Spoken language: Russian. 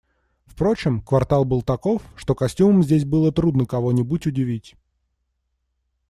Впрочем, квартал был таков, что костюмом здесь было трудно кого-нибудь удивить.